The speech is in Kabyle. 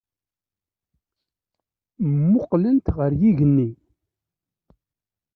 Mmuqqlent ɣer yigenni.